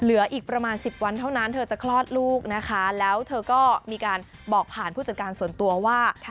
เหลืออีกประมาณสิบวันเท่านั้นเธอจะคลอดลูกนะคะแล้วเธอก็มีการบอกผ่านผู้จัดการส่วนตัวว่า